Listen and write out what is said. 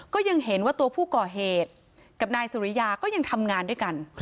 ก็ยังเห็นว่าตัวผู้ก่อเหตุกับนายสุริยาก็ยังทำงานด้วยกัน